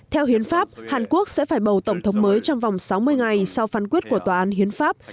theo hiến pháp hàn quốc sẽ phải bầu tổng thống mới trong vòng sáu mươi ngày sau phán quyết của tòa án hiến pháp